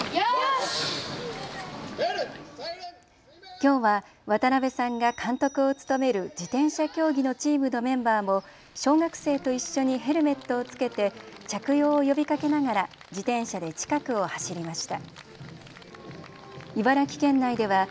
きょうは渡辺さんが監督を務める自転車競技のチームのメンバーも小学生と一緒にヘルメットを着けて、着用を呼びかけながら自転車で近くを走りました。